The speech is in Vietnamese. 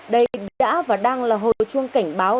đây đã và đang là hồi chuông cảnh báo